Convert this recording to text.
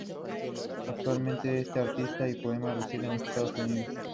Abuelo paterno de Carla Montenegro; socióloga y escritora mexicana contemporánea.